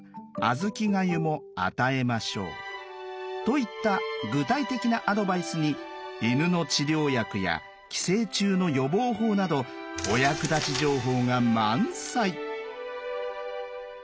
といった具体的なアドバイスに犬の治療薬や寄生虫の予防法などお役立ち情報が満載。